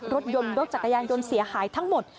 รถยนต์รถจักรยานยนต์เสียหายทั้งหมด